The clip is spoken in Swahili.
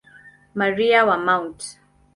Maria wa Mt.